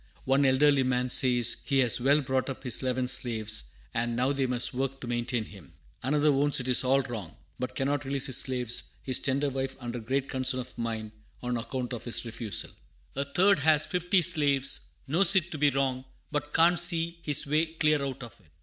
One elderly man says he has well brought up his eleven slaves, and "now they must work to maintain him." Another owns it is all wrong, but "cannot release his slaves; his tender wife under great concern of mind" on account of his refusal. A third has fifty slaves; knows it to be wrong, but can't see his way clear out of it.